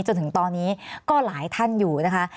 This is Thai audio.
จนถึงตอนนี้ก็หลายท่านอยู่นะคะ